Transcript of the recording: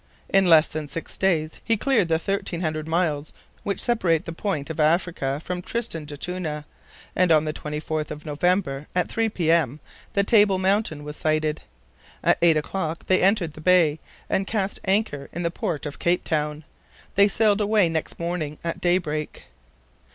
In less than six days he cleared the thirteen hundred miles which separate the point of Africa from Tristan d'Acunha, and on the 24th of November, at 3 P. M. the Table Mountain was sighted. At eight o'clock they entered the bay, and cast anchor in the port of Cape Town. They sailed away next morning at daybreak.